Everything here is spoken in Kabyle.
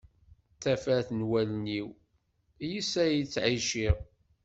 D tafat n wallen-iw, yess ay ttɛiciɣ.